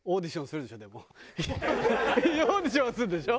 オーディションはするんでしょ？